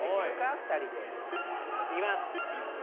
２人でいきますよ